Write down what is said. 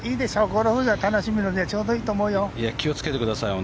ゴルフを楽しむにはちょうどいいと思うよ。